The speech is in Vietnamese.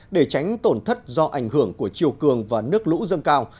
để tránh tổn thất do ảnh hưởng của chiều cường và nước lũ dâng cao